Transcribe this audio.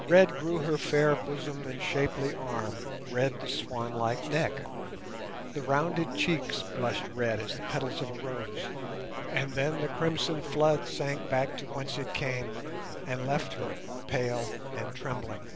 Red grew her fair bosom and shapely arm, red the swanlike neck; the rounded cheeks blushed red as the petals of a rose, and then the crimson flood sank back to whence it came and left her pale and trembling.